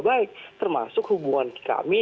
baik termasuk hubungan kami